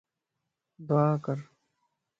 دعا ڪر